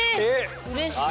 うれしいな。